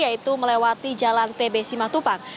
yaitu melewati jalan tbc matupang